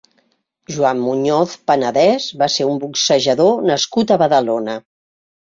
Joan Muñoz Panadés va ser un boxejador nascut a Badalona.